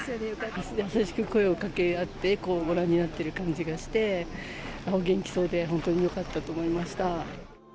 優しく声を掛け合って、こうご覧になっている感じがして、お元気そうで本当によかったと思いました。